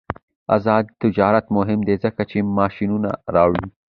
آزاد تجارت مهم دی ځکه چې ماشینونه راوړي.